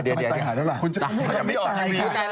เห้ยเดี๋ยว